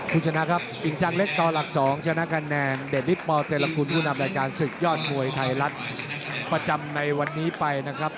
คุณชนะครับกิ่งซางเล็กต่อหลัก๒ชนะคะแนนเดชฤทธปเตรกุลผู้นำรายการศึกยอดมวยไทยรัฐประจำในวันนี้ไปนะครับ